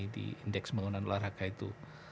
di indeks pembangunan olahraga itu